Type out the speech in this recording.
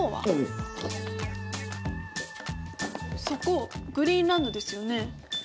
そこグリーンランドですよね？